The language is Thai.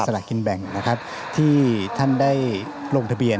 ละกินแบ่งนะครับที่ท่านได้ลงทะเบียน